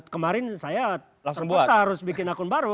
kemarin saya terpaksa harus bikin akun baru